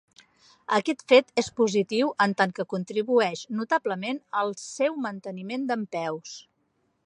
Aquest fet és positiu en tant que contribueix notablement al seu manteniment dempeus.